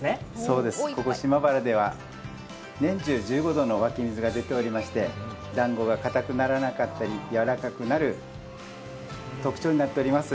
そうです、ここ島原では年中１５度の湧き水が出ておりまして、だんごがかたくならなかったり、やわらかくなる特徴になっております。